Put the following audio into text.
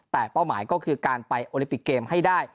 แต่เป้าหมายก็คือการไปโอลิปิกเกมให้ได้